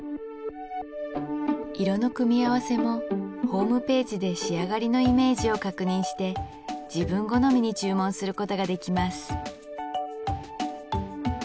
色の組み合わせもホームページで仕上がりのイメージを確認して自分好みに注文することができます